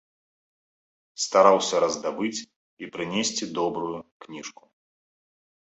Стараўся раздабыць і прынесці добрую кніжку.